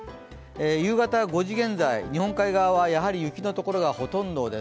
夕方５時現在、日本海側は雪のところがほとんどです。